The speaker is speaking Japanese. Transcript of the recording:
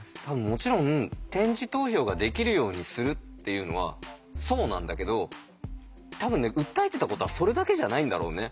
もちろん点字投票ができるようにするっていうのはそうなんだけど多分ね訴えてたことはそれだけじゃないんだろうね。